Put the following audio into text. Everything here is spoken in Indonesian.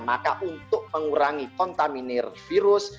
maka untuk mengurangi kontaminir virus